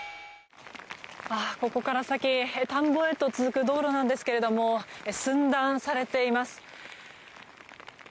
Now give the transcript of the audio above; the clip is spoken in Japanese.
ここから先田んぼへと続く道路なんですけど寸断されています。